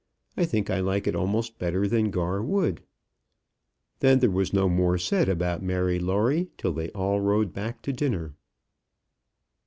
I think I like it almost better than Gar Wood." Then there was no more said about Mary Lawrie till they all rode back to dinner.